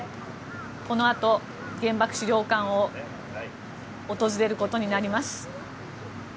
このあと原爆資料館を訪れることになります。